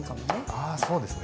あそうですね。